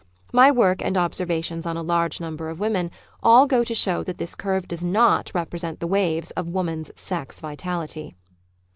My work and observations on a large number of women all go to show that this cvirve does not represent the waves of woman's sex vitality.